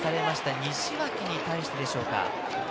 西脇に対してでしょうか？